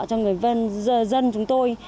cho người dân chúng tôi